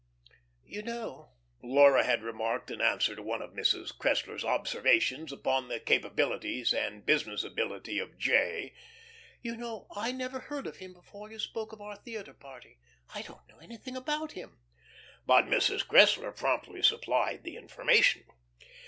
"You know," Laura had remarked in answer to one of Mrs. Cressler's observations upon the capabilities and business ability of "J.," "you know I never heard of him before you spoke of our theatre party. I don't know anything about him." But Mrs. Cressler promptly supplied the information.